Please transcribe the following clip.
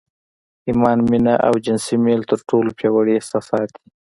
ايمان، مينه او جنسي ميل تر ټولو پياوړي احساسات دي.